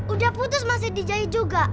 udah putus masih dj juga